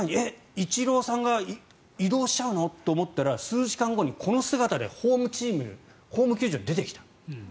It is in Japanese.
イチローさんが移動しちゃうの？と思ったら数時間後にこの姿でホーム球場に出てきた。